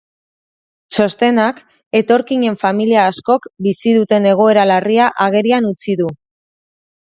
Txostenak etorkinen familia askok bizi duten egoera larria agerian utzi du.